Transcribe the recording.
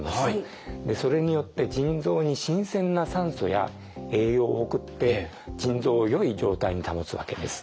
それによって腎臓に新鮮な酸素や栄養を送って腎臓をよい状態に保つわけです。